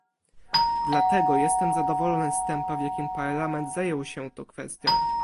Dlatego jestem zadowolony z tempa, w jakim Parlament zajął się tą kwestią